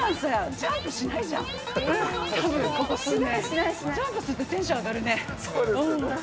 ジャンプするとテンション上がるね。